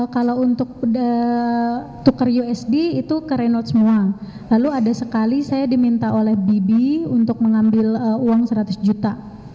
kalau untuk tuker usd itu ke renote semua lalu ada sekali saya diminta oleh bibi untuk mengambil uang seratus juta